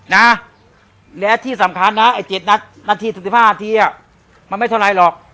นะและที่สำคัญนะไอ้๗นาทีถึง๑๕นาทีมันไม่เท่าไรหรอก